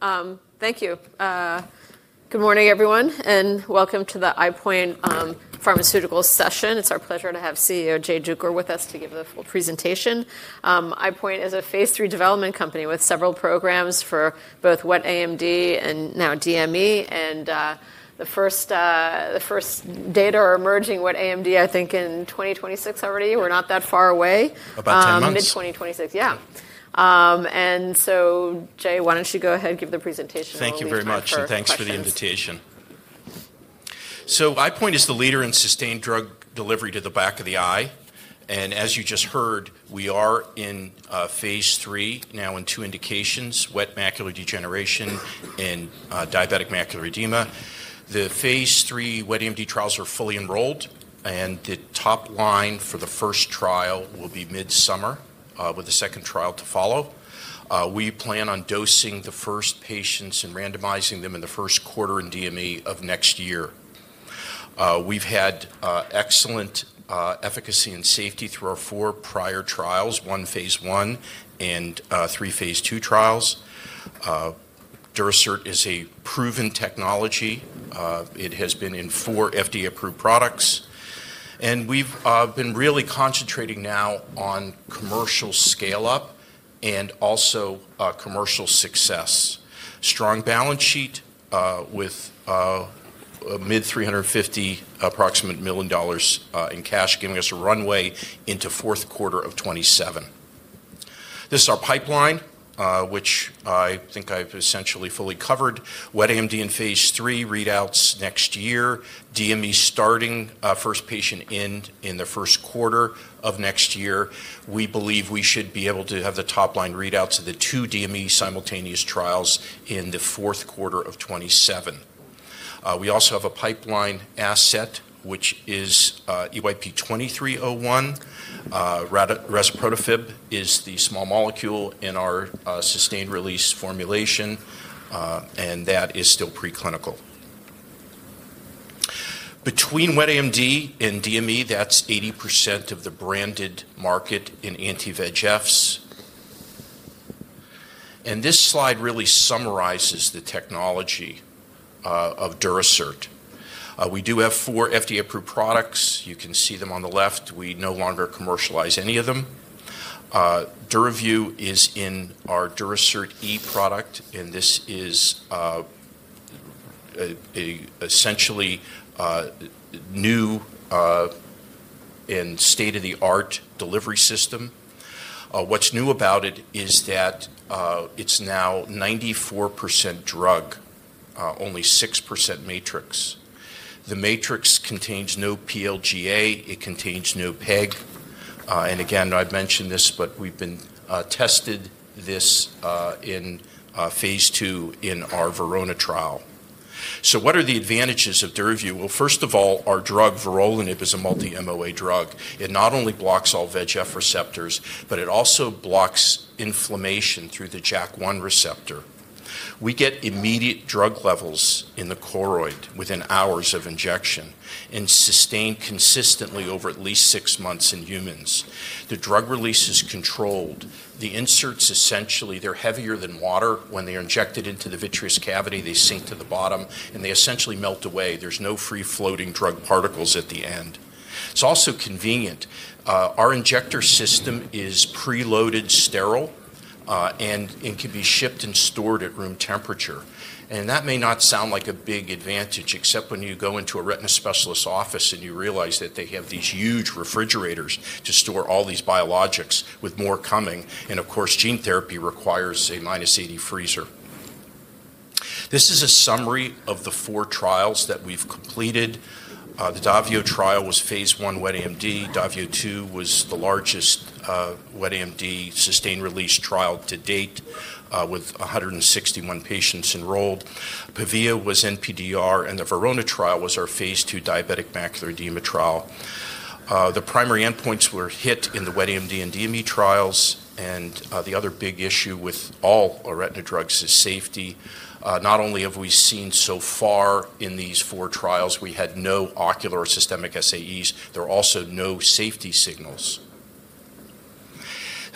Great. Thank you. Good morning, everyone, and welcome to the EyePoint Pharmaceuticals session. It's our pleasure to have CEO Jay Duker with us to give the full presentation. EyePoint is a phase III development company with several programs for both wet AMD and now DME. The first data are emerging wet AMD, I think, in 2026 already. We're not that far away. About 10 months. Mid-2026, yeah. Jay, why don't you go ahead and give the presentation? Thank you very much, and thanks for the invitation. EyePoint is the leader in sustained drug delivery to the back of the eye. As you just heard, we are in phase III now in two indications: wet Macular Degeneration and Diabetic Macular Edema. The phase III wet AMD trials are fully enrolled, and the top line for the first trial will be mid-summer, with a second trial to follow. We plan on dosing the first patients and randomizing them in the first quarter in DME of next year. We've had excellent efficacy and safety through our four prior trials: one phase I and three phase two trials. DuraCert is a proven technology. It has been in four FDA-approved products. We've been really concentrating now on commercial scale-up and also commercial success. Strong balance sheet with a mid-$350 million in cash, giving us a runway into fourth quarter of 2027. This is our pipeline, which I think I have essentially fully covered. Wet AMD in phase III, readouts next year. DME starting first patient in the first quarter of next year. We believe we should be able to have the top-line readouts of the two DME simultaneous trials in the fourth quarter of 2027. We also have a pipeline asset, which is EYP2301. ResprotaFib is the small molecule in our sustained-release formulation, and that is still preclinical. Between wet AMD and DME, that is 80% of the branded market in anti-VEGFs. This slide really summarizes the technology of DuraCert. We do have four FDA-approved products. You can see them on the left. We no longer commercialize any of them. Duravyu is in our Durasert E product, and this is essentially a new and state-of-the-art delivery system. What's new about it is that it's now 94% drug, only 6% matrix. The matrix contains no PLGA. It contains no PEG. I have mentioned this, but we've been testing this in phase II in our Verona trial. What are the advantages of Duravyu? First of all, our drug, Vorolanib, is a multi-MOA drug. It not only blocks all VEGF receptors, but it also blocks inflammation through the JAK1 receptor. We get immediate drug levels in the choroid within hours of injection and sustained consistently over at least six months in humans. The drug release is controlled. The inserts, essentially, they're heavier than water. When they're injected into the vitreous cavity, they sink to the bottom, and they essentially melt away. There's no free-floating drug particles at the end. It's also convenient. Our injector system is preloaded sterile, and it can be shipped and stored at room temperature. That may not sound like a big advantage, except when you go into a retina specialist's office and you realize that they have these huge refrigerators to store all these biologics, with more coming. Of course, gene therapy requires a minus-80 freezer. This is a summary of the four trials that we've completed. The Davio trial was phase I wet AMD. Davio II was the largest wet AMD sustained-release trial to date, with 161 patients enrolled. Pavia was NPDR, and the Verona trial was our phase II Diabetic Macular Edema trial. The primary endpoints were hit in the wet AMD and DME trials. The other big issue with all retina drugs is safety. Not only have we seen so far in these four trials, we had no ocular or systemic SAEs. There are also no safety signals.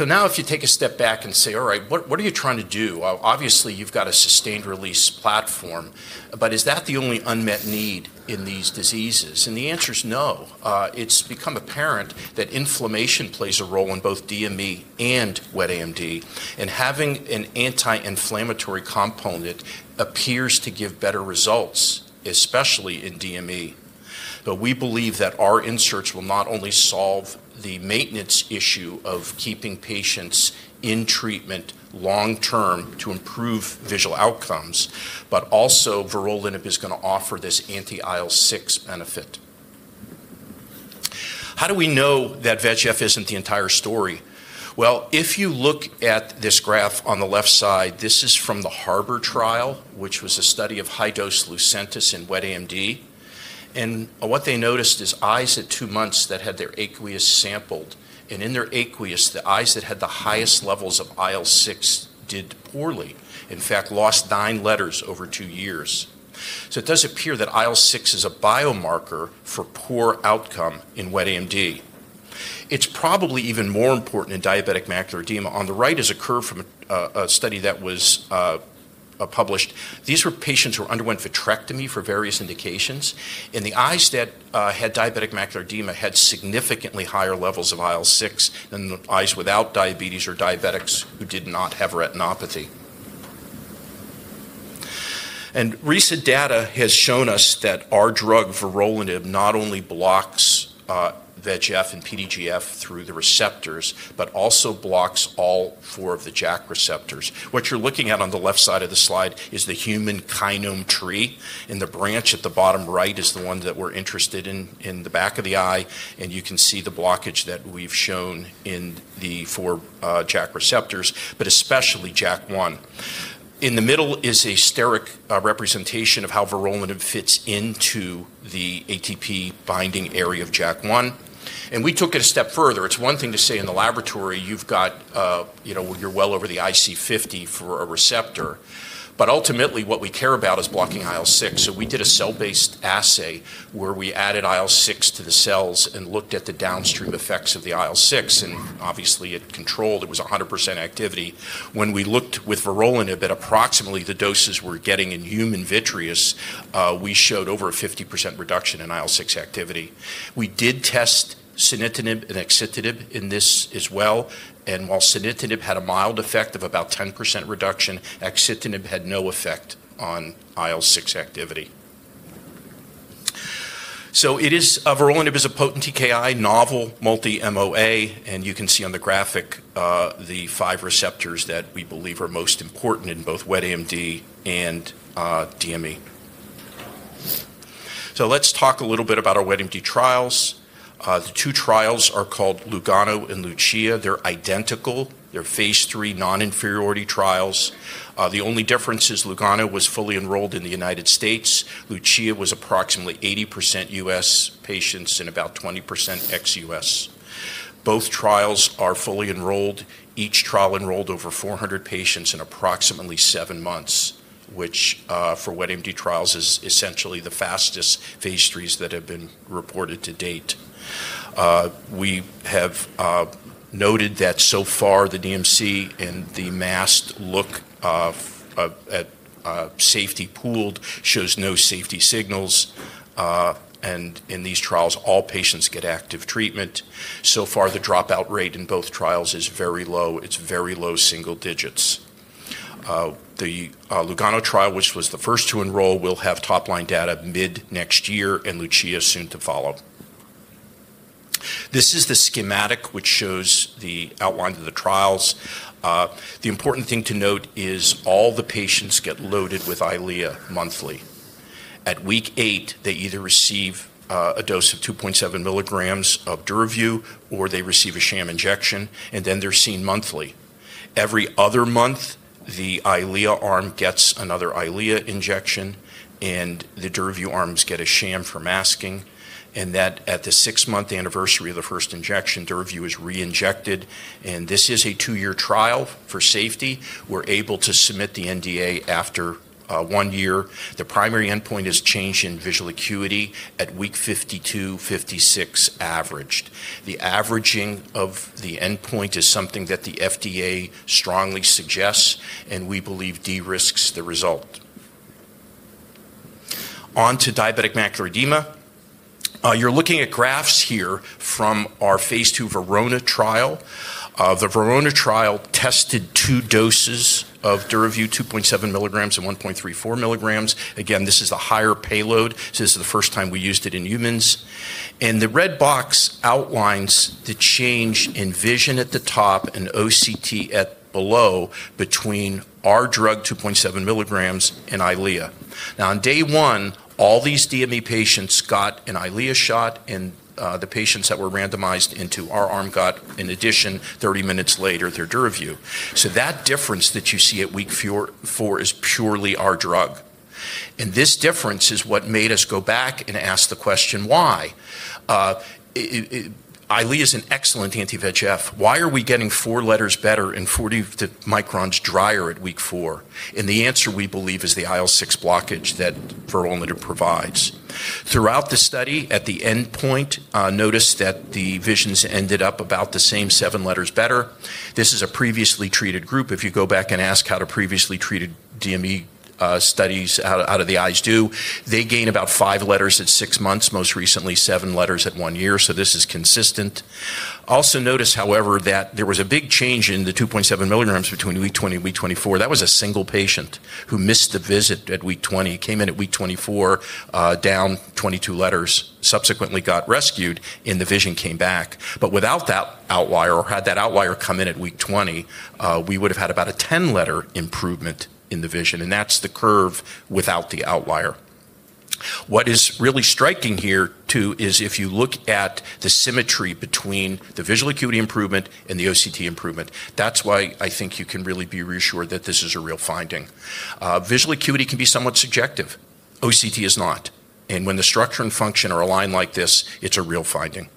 Now, if you take a step back and say, "All right, what are you trying to do?" Obviously, you've got a sustained-release platform, but is that the only unmet need in these diseases? The answer is no. It has become apparent that inflammation plays a role in both DME and wet AMD, and having an anti-inflammatory component appears to give better results, especially in DME. We believe that our inserts will not only solve the maintenance issue of keeping patients in treatment long-term to improve visual outcomes, but also Vorolanib is going to offer this anti-IL-6 benefit. How do we know that VEGF isn't the entire story? If you look at this graph on the left side, this is from the Harvard trial, which was a study of high-dose Lucentis in wet AMD. What they noticed is eyes at two months that had their aqueous sampled. In their aqueous, the eyes that had the highest levels of IL-6 did poorly, in fact, lost nine letters over two years. It does appear that IL-6 is a biomarker for poor outcome in wet AMD. It's probably even more important in Diabetic Macular Edema. On the right is a curve from a study that was published. These were patients who underwent vitrectomy for various indications. The eyes that had Diabetic Macular Edema had significantly higher levels of IL-6 than the eyes without diabetes or diabetics who did not have retinopathy. Recent data has shown us that our drug, Vorolanib, not only blocks VEGF and PDGF through the receptors, but also blocks all four of the JAK receptors. What you're looking at on the left side of the slide is the human kinome tree. The branch at the bottom right is the one that we're interested in, in the back of the eye. You can see the blockage that we've shown in the four JAK receptors, but especially JAK1. In the middle is a steric representation of how Vorolanib fits into the ATP binding area of JAK1. We took it a step further. It's one thing to say in the laboratory you've got, you know, you're well over the IC50 for a receptor, but ultimately what we care about is blocking IL-6. We did a cell-based assay where we added IL-6 to the cells and looked at the downstream effects of the IL-6. Obviously, it controlled. It was 100% activity. When we looked with Vorolanib, about approximately the doses we're getting in human vitreous, we showed over a 50% reduction in IL-6 activity. We did test sunitinib and axitinib in this as well. While sunitinib had a mild effect of about 10% reduction, axitinib had no effect on IL-6 activity. Vorolanib is a potent TKI, novel multi-MOA, and you can see on the graphic the five receptors that we believe are most important in both wet AMD and DME. Let's talk a little bit about our wet AMD trials. The two trials are called LUGANO and LUCIA. They're identical. They're phase III non-inferiority trials. The only difference is LUGANO was fully enrolled in the U.S. LUCIA was approximately 80% U.S. patients and about 20% ex-U.S. Both trials are fully enrolled. Each trial enrolled over 400 patients in approximately seven months, which for wet AMD trials is essentially the fastest phase IIIs that have been reported to date. We have noted that so far, the DMC and the MAST look at safety pooled shows no safety signals. In these trials, all patients get active treatment. So far, the dropout rate in both trials is very low. It is very low single digits. The LUGANO trial, which was the first to enroll, will have top-line data mid-next year, and LUCIA soon to follow. This is the schematic which shows the outline of the trials. The important thing to note is all the patients get loaded with Eylea monthly. At week eight, they either receive a dose of 2.7 milligrams of Duravyu or they receive a sham injection, and then they're seen monthly. Every other month, the Eylea arm gets another Eylea injection, and the Duravyu arms get a sham for masking. At the six-month anniversary of the first injection, Duravyu is re-injected. This is a two-year trial for safety. We're able to submit the NDA after one year. The primary endpoint is change in visual acuity at week 52, 56 averaged. The averaging of the endpoint is something that the FDA strongly suggests, and we believe de-risks the result. On to Diabetic Macular Edema. You're looking at graphs here from our phase II Verona trial. The Verona trial tested two doses of Duravyu, 2.7 milligrams and 1.34 milligrams. Again, this is a higher payload, so this is the first time we used it in humans. The red box outlines the change in vision at the top and OCT below between our drug, 2.7 milligrams, and Eylea. On day one, all these DME patients got an Eylea shot, and the patients that were randomized into our arm got, in addition, 30 minutes later, their Duravyu. That difference that you see at week four is purely our drug. This difference is what made us go back and ask the question, why? Eylea is an excellent anti-VEGF. Why are we getting four letters better and 40 microns drier at week four? The answer we believe is the IL-6 blockage that Vorolanib provides. Throughout the study, at the endpoint, notice that the visions ended up about the same, seven letters better. This is a previously treated group. If you go back and ask how do previously treated DME studies out of the eyes do, they gain about five letters at six months, most recently seven letters at one year. This is consistent. Also notice, however, that there was a big change in the 2.7 milligrams between week 20 and week 24. That was a single patient who missed the visit at week 20, came in at week 24, down 22 letters, subsequently got rescued, and the vision came back. Without that outlier or had that outlier come in at week 20, we would have had about a 10-letter improvement in the vision. That is the curve without the outlier. What is really striking here, too, is if you look at the symmetry between the visual acuity improvement and the OCT improvement, that's why I think you can really be reassured that this is a real finding. Visual acuity can be somewhat subjective. OCT is not. When the structure and function are aligned like this, it's a real finding.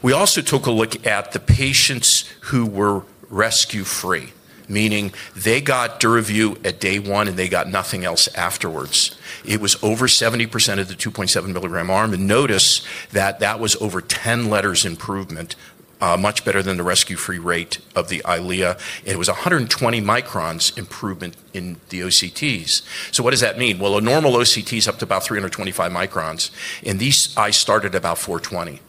We also took a look at the patients who were rescue-free, meaning they got Duravyu at day one, and they got nothing else afterwards. It was over 70% of the 2.7 milligram arm. Notice that that was over 10 letters improvement, much better than the rescue-free rate of the Eylea. It was 120 microns improvement in the OCTs. What does that mean? A normal OCT is up to about 325 microns, and these eyes started at about 420.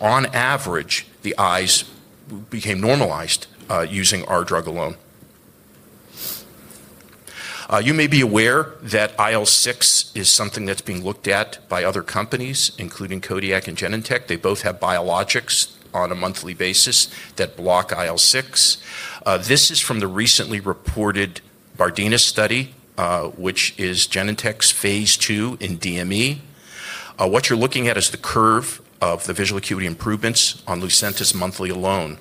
On average, the eyes became normalized using our drug alone. You may be aware that IL-6 is something that's being looked at by other companies, including Kodiak and Genentech. They both have biologics on a monthly basis that block IL-6. This is from the recently reported BARDENA study, which is Genentech's phase II in DME. What you're looking at is the curve of the visual acuity improvements on Lucentis monthly alone.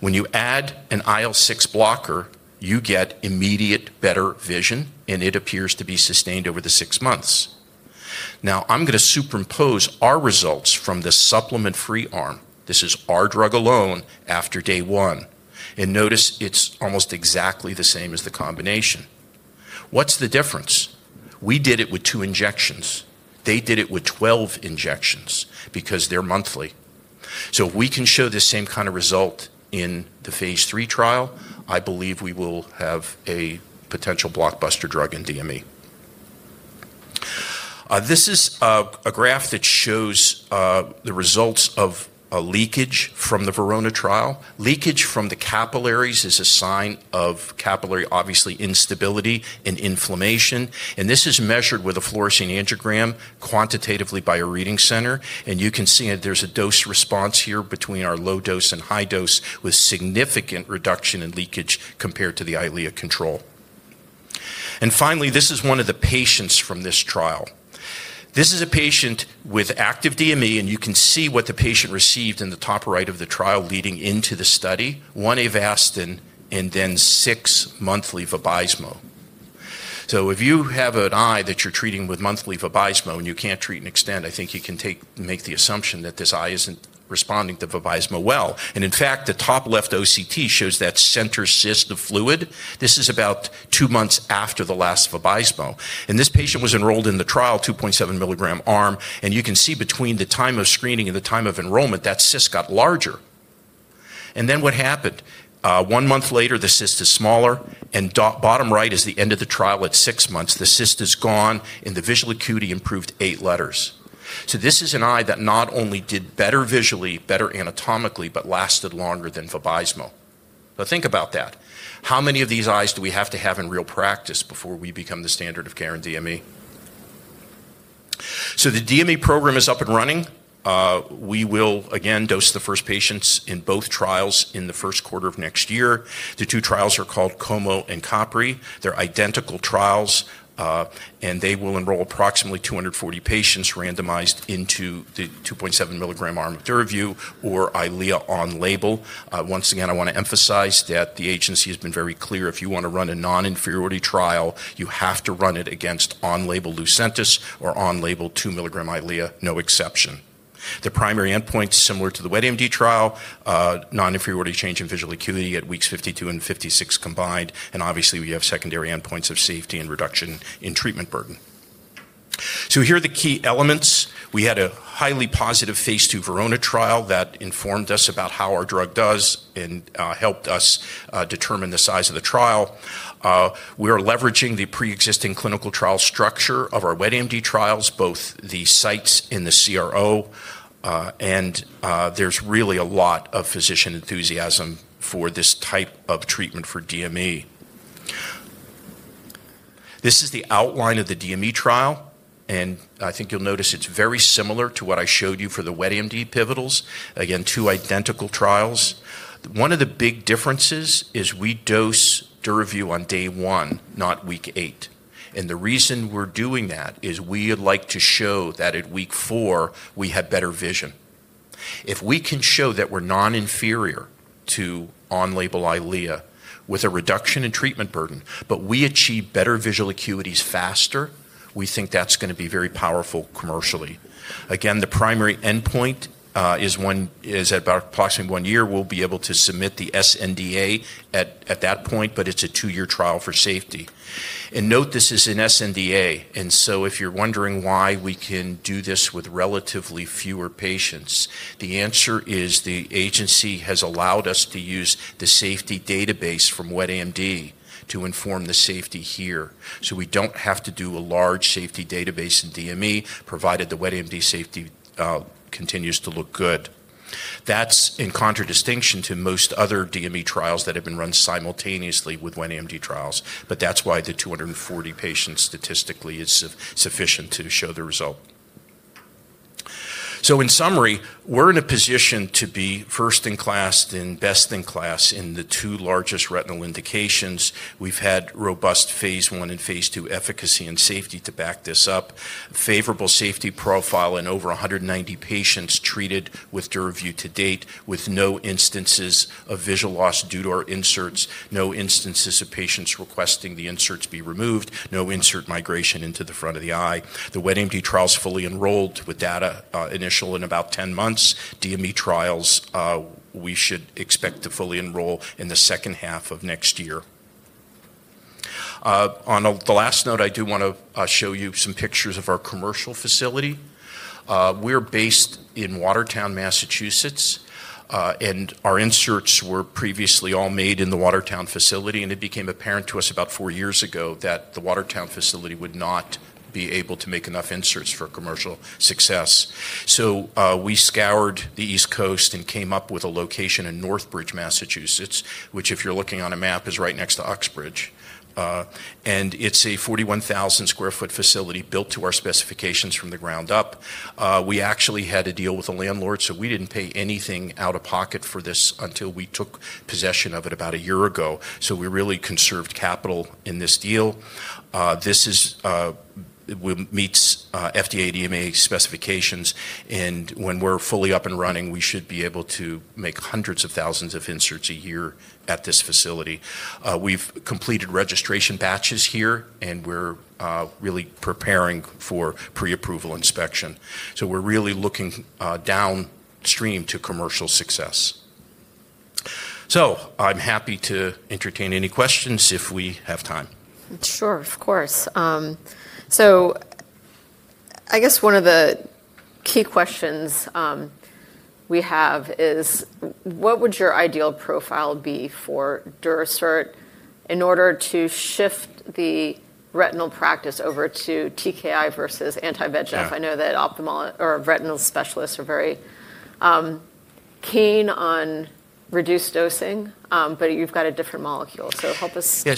When you add an IL-6 blocker, you get immediate better vision, and it appears to be sustained over the six months. Now, I'm going to superimpose our results from the supplement-free arm. This is our drug alone after day one. Notice it's almost exactly the same as the combination. What's the difference? We did it with two injections. They did it with 12 injections because they're monthly. If we can show the same kind of result in the phase III trial, I believe we will have a potential blockbuster drug in DME. This is a graph that shows the results of leakage from the Verona trial. Leakage from the capillaries is a sign of capillary instability and inflammation. This is measured with a fluorescein angiogram quantitatively by a reading center. You can see there is a dose response here between our low dose and high dose, with significant reduction in leakage compared to the Eylea control. Finally, this is one of the patients from this trial. This is a patient with active DME, and you can see what the patient received in the top right of the trial leading into the study: one Avastin and then six monthly VABYSMO If you have an eye that you're treating with monthly VABYSMO and you can't treat and extend, I think you can make the assumption that this eye isn't responding to VABYSMO well. In fact, the top left OCT shows that center cyst of fluid. This is about two months after the last VABYSMO. This patient was enrolled in the trial 2.7 milligram arm. You can see between the time of screening and the time of enrollment that cyst got larger. What happened? One month later, the cyst is smaller, and bottom right is the end of the trial at six months. The cyst is gone, and the visual acuity improved eight letters. This is an eye that not only did better visually, better anatomically, but lasted longer than VABYSMO. Think about that. How many of these eyes do we have to have in real practice before we become the standard of care in DME? The DME program is up and running. We will, again, dose the first patients in both trials in the first quarter of next year. The two trials are called COMO and CAPRI. They're identical trials, and they will enroll approximately 240 patients randomized into the 2.7 milligram arm of Duravyu or Eylea on-label. Once again, I want to emphasize that the agency has been very clear. If you want to run a non-inferiority trial, you have to run it against on-label Lucentis or on-label two milligram Eylea, no exception. The primary endpoint is similar to the wet AMD trial, non-inferiority change in visual acuity at weeks 52 and 56 combined. Obviously, we have secondary endpoints of safety and reduction in treatment burden. Here are the key elements. We had a highly positive phase II Verona trial that informed us about how our drug does and helped us determine the size of the trial. We are leveraging the pre-existing clinical trial structure of our wet AMD trials, both the sites and the CRO. There is really a lot of physician enthusiasm for this type of treatment for DME. This is the outline of the DME trial. I think you'll notice it's very similar to what I showed you for the wet AMD pivots. Again, two identical trials. One of the big differences is we dose Duravyu on day one, not week eight. The reason we're doing that is we would like to show that at week four, we had better vision. If we can show that we're non-inferior to on-label Eylea with a reduction in treatment burden, but we achieve better visual acuities faster, we think that's going to be very powerful commercially. Again, the primary endpoint is at approximately one year. We'll be able to submit the SNDA at that point, but it's a two-year trial for safety. Note, this is an SNDA. If you're wondering why we can do this with relatively fewer patients, the answer is the agency has allowed us to use the safety database from wet AMD to inform the safety here. We don't have to do a large safety database in DME, provided the wet AMD safety continues to look good. That's in contradistinction to most other DME trials that have been run simultaneously with wet AMD trials. That is why the 240 patients statistically is sufficient to show the result. In summary, we're in a position to be first in class and best in class in the two largest retinal indications. We've had robust phase I and phase II efficacy and safety to back this up, favorable safety profile in over 190 patients treated with Duravyu to date, with no instances of visual loss due to our inserts, no instances of patients requesting the inserts be removed, no insert migration into the front of the eye. The wet AMD trial is fully enrolled with data initial in about 10 months. DME trials, we should expect to fully enroll in the second half of next year. On the last note, I do want to show you some pictures of our commercial facility. We're based in Watertown, Massachusetts, and our inserts were previously all made in the Watertown facility. It became apparent to us about four years ago that the Watertown facility would not be able to make enough inserts for commercial success. We scoured the East Coast and came up with a location in Northbridge, Massachusetts, which, if you're looking on a map, is right next to Oxbridge. It's a 41,000 sq ft facility built to our specifications from the ground up. We actually had a deal with a landlord, so we didn't pay anything out of pocket for this until we took possession of it about a year ago. We really conserved capital in this deal. This meets FDA DMA specifications. When we're fully up and running, we should be able to make hundreds of thousands of inserts a year at this facility. We've completed registration batches here, and we're really preparing for pre-approval inspection. We're really looking downstream to commercial success. I'm happy to entertain any questions if we have time. Sure, of course. I guess one of the key questions we have is, what would your ideal profile be for DuraCert in order to shift the retinal practice over to TKI versus anti-VEGF? I know that retinal specialists are very keen on reduced dosing, but you've got a different molecule. Help us. Yeah.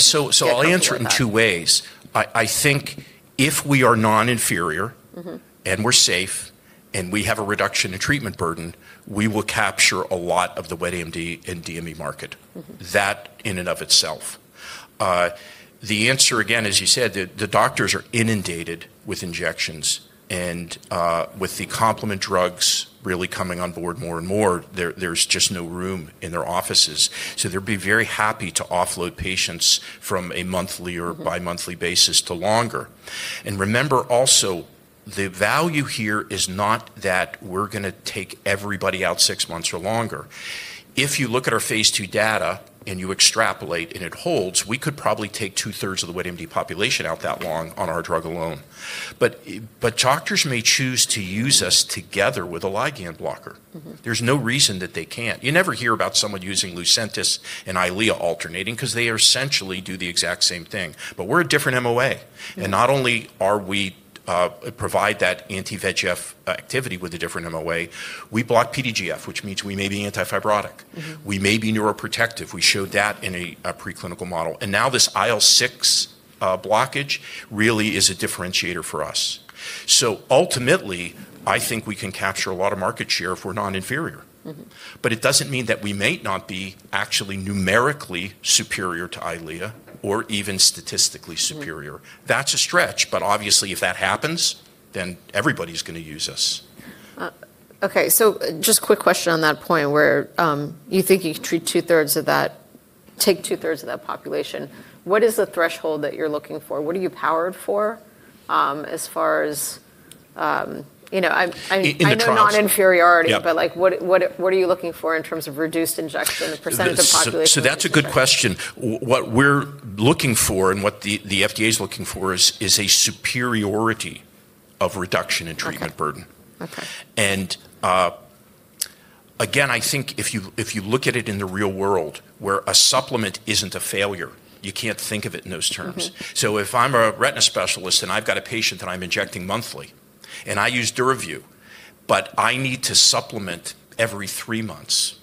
I'll answer it in two ways. I think if we are non-inferior and we're safe and we have a reduction in treatment burden, we will capture a lot of the wet AMD and DME market. That in and of itself. The answer, again, as you said, the doctors are inundated with injections. With the complement drugs really coming on board more and more, there's just no room in their offices. They'd be very happy to offload patients from a monthly or bi-monthly basis to longer. Remember also, the value here is not that we're going to take everybody out six months or longer. If you look at our phase II data and you extrapolate, and it holds, we could probably take two-thirds of the wet AMD population out that long on our drug alone. Doctors may choose to use us together with a ligand blocker. There's no reason that they can't. You never hear about someone using Lucentis and Eylea alternating because they essentially do the exact same thing. We're a different MOA. Not only do we provide that anti-VEGF activity with a different MOA, we block PDGF, which means we may be antifibrotic. We may be neuroprotective. We showed that in a preclinical model. Now this IL-6 blockage really is a differentiator for us. Ultimately, I think we can capture a lot of market share if we're non-inferior. It does not mean that we might not be actually numerically superior to Eylea or even statistically superior. That is a stretch. Obviously, if that happens, then everybody's going to use us. Okay. Just a quick question on that point where you think you can treat two-thirds of that, take two-thirds of that population. What is the threshold that you're looking for? What are you powered for, as far as, you know, I know non-inferiority, but what are you looking for in terms of reduced injection, the percentage of population? That is a good question. What we're looking for and what the FDA is looking for is a superiority of reduction in treatment burden. I think if you look at it in the real world, where a supplement isn't a failure, you can't think of it in those terms. If I'm a retina specialist and I've got a patient that I'm injecting monthly and I use Duravyu, but I need to supplement every three months,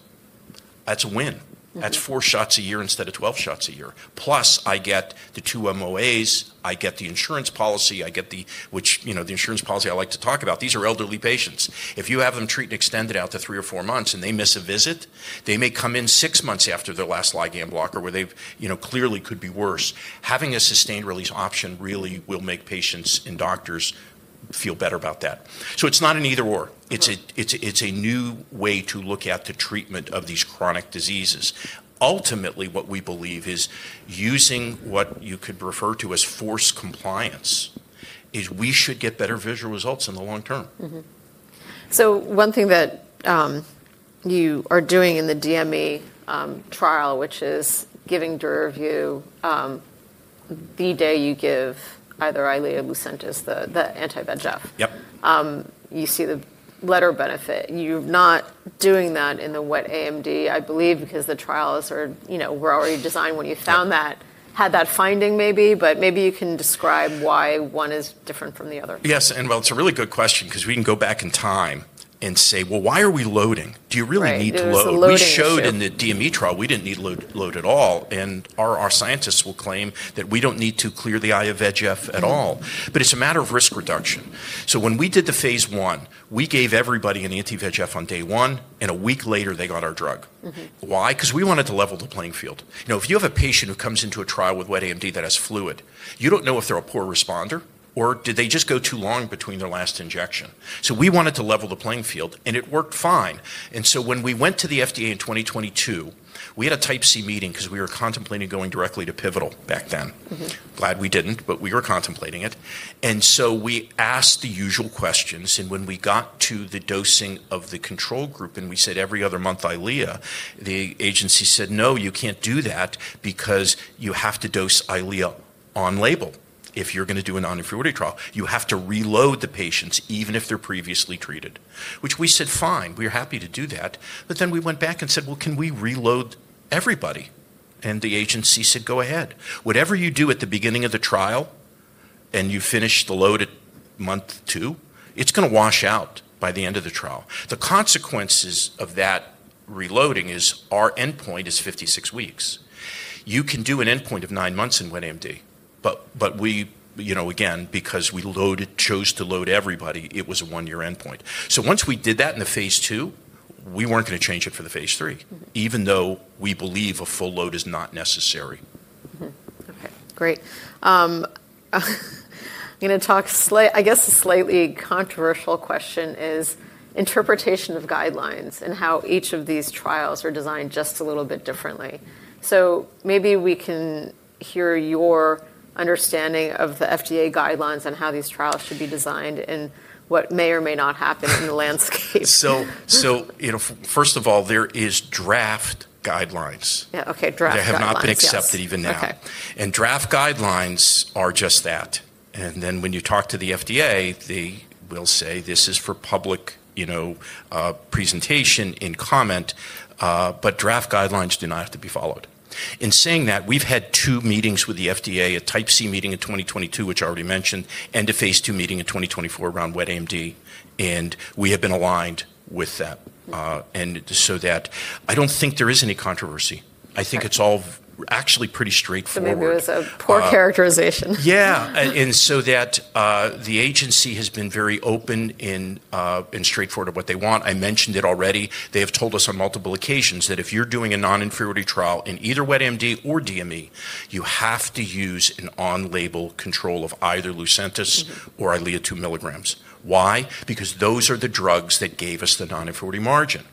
that's a win. That's four shots a year instead of 12 shots a year. Plus, I get the two MOAs, I get the insurance policy, I get the, which, you know, the insurance policy I like to talk about. These are elderly patients. If you have them treat and extend it out to three or four months, and they miss a visit, they may come in six months after their last ligand blocker, where they clearly could be worse. Having a sustained release option really will make patients and doctors feel better about that. It is not an either/or. It is a new way to look at the treatment of these chronic diseases. Ultimately, what we believe is using what you could refer to as force compliance is we should get better visual results in the long term. One thing that you are doing in the DME trial, which is giving Duravyu the day you give either Eylea or Lucentis, the anti-VEGF, you see the letter benefit. You're not doing that in the wet AMD, I believe, because the trials were already designed when you found that, had that finding, maybe, but maybe you can describe why one is different from the other. Yes. It's a really good question because we can go back in time and say, why are we loading? Do you really need to load? We showed in the DME trial, we didn't need to load at all. Our scientists will claim that we don't need to clear the eye of VEGF at all. It's a matter of risk reduction. When we did the phase I, we gave everybody an anti-VEGF on day one, and a week later, they got our drug. Why? Because we wanted to level the playing field. Now, if you have a patient who comes into a trial with wet AMD that has fluid, you do not know if they are a poor responder or did they just go too long between their last injection. We wanted to level the playing field, and it worked fine. When we went to the FDA in 2022, we had a Type C meeting because we were contemplating going directly to Pivital back then. Glad we did not, but we were contemplating it. We asked the usual questions. When we got to the dosing of the control group, and we said every other month Eylea, the agency said, "No, you cannot do that because you have to dose Eylea on label. If you are going to do a non-inferiority trial, you have to reload the patients even if they are previously treated", which we said fine. We're happy to do that. Then we went back and said, "Can we reload everybody?" The agency said, "Go ahead.". Whatever you do at the beginning of the trial, and you finish the load at month two, it's going to wash out by the end of the trial. The consequences of that reloading is our endpoint is 56 weeks. You can do an endpoint of nine months in wet AMD. We, again, because we chose to load everybody, it was a one-year endpoint. Once we did that in the phase II, we weren't going to change it for the phase III, even though we believe a full load is not necessary. Okay. Great. I'm going to talk slightly, I guess slightly controversial question is interpretation of guidelines and how each of these trials are designed just a little bit differently. Maybe we can hear your understanding of the FDA guidelines and how these trials should be designed, and what may or may not happen in the landscape. First of all, there are draft guidelines. Yeah. Okay. Draft guidelines. They have not been accepted even now. Draft guidelines are just that. When you talk to the FDA, they will say this is for public presentation in comment. Draft guidelines do not have to be followed. In saying that, we've had two meetings with the FDA, a Type C meeting in 2022, which I already mentioned, and a phase II meeting in 2024 around wet AMD. We have been aligned with that. I do not think there is any controversy. I think it's all actually pretty straightforward. Maybe there was a poor characterization. Yeah. The agency has been very open and straightforward about what they want. I mentioned it already. They have told us on multiple occasions that if you are doing a non-inferiority trial in either wet AMD or DME, you have to use an on-label control of either Lucentis or Eylea 2 milligrams. Why? Because those are the drugs that gave us the non-inferiority margin.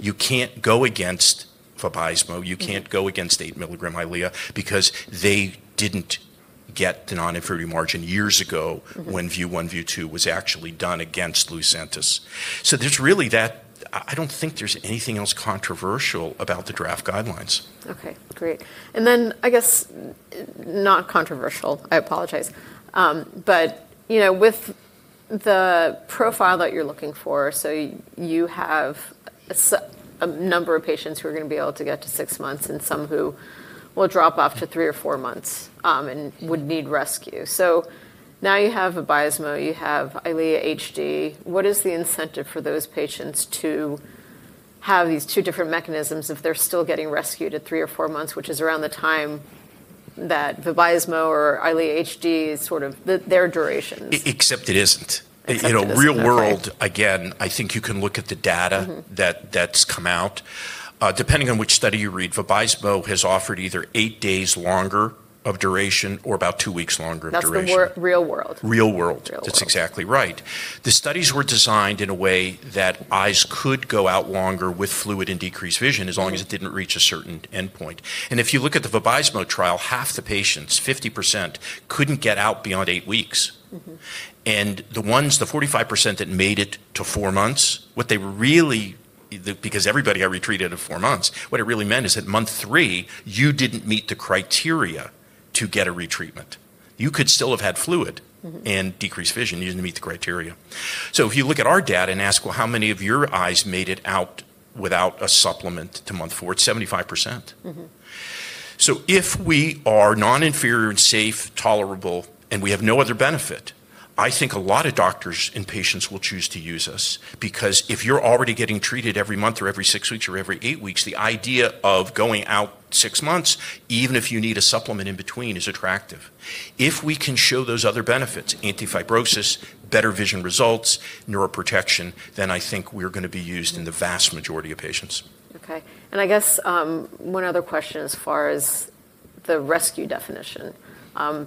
You cannot go against VABYSMO. You cannot go against 8 milligram Eylea because they did not get the non-inferiority margin years ago when View 1, View 2 was actually done against Lucentis. There is really nothing else controversial about the draft guidelines. Okay. Great. I guess not controversial, I apologize. With the profile that you're looking for, you have a number of patients who are going to be able to get to six months and some who will drop off to three or four months and would need rescue. You have VABYSMO, you have Eylea HD. What is the incentive for those patients to have these two different mechanisms if they're still getting rescued at three or four months, which is around the time that VABYSMO or Eylea HD is sort of their duration? Except it isn't. Real world, again, I think you can look at the data that's come out. Depending on which study you read, VABYSMO has offered either eight days longer of duration or about two weeks longer of duration. That's the real world. Real world. That's exactly right. The studies were designed in a way that eyes could go out longer with fluid and decreased vision as long as it did not reach a certain endpoint. If you look at the VABYSMO trial, half the patients, 50%, could not get out beyond eight weeks. The ones, the 45% that made it to four months, what they really, because everybody got retreated at four months, what it really meant is at month three, you did not meet the criteria to get a retreatment. You could still have had fluid and decreased vision. You did not meet the criteria. If you look at our data and ask, well, how many of your eyes made it out without a supplement to month four? It is 75%. If we are non-inferior and safe, tolerable, and we have no other benefit, I think a lot of doctors and patients will choose to use us because if you're already getting treated every month or every six weeks or every eight weeks, the idea of going out six months, even if you need a supplement in between, is attractive. If we can show those other benefits, anti-fibrosis, better vision results, neuroprotection, then I think we're going to be used in the vast majority of patients. Okay. I guess one other question, as far as the rescue definition.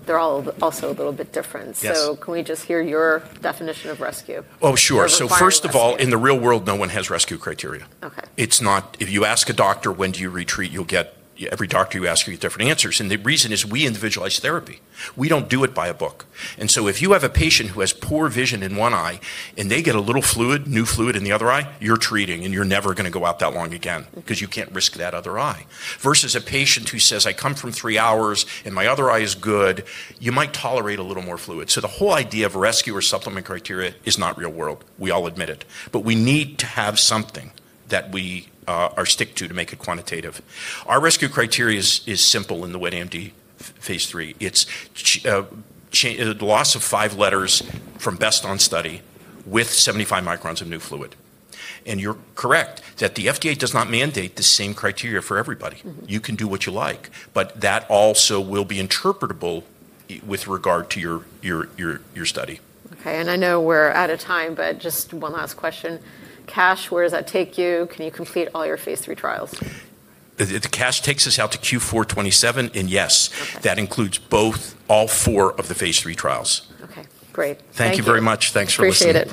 They're all also a little bit different. Can we just hear your definition of rescue? Oh, sure. First of all, in the real world, no one has rescue criteria. If you ask a doctor, when do you retreat, you'll get every doctor you ask you get different answers. The reason is we individualize therapy. We do not do it by a book. If you have a patient who has poor vision in one eye and they get a little fluid, new fluid in the other eye, you are treating, and you are never going to go out that long again because you cannot risk that other eye. Versus a patient who says, I come from three hours, and my other eye is good, you might tolerate a little more fluid. The whole idea of rescue or supplement criteria is not real-world. We all admit it. We need to have something that we stick to to make it quantitative. Our rescue criteria is simple in the wet AMD phase III. It is the loss of five letters from best on study with 75 microns of new fluid. You are correct that the FDA does not mandate the same criteria for everybody. You can do what you like, but that also will be interpretable with regard to your study. Okay. I know we are out of time, but just one last question. CASH, where does that take you? Can you complete all your phase III trials? CASH takes us out to Q4 2027. Yes, that includes all four of the phase III trials. Okay. Great. Thank you very much. Thanks for listening.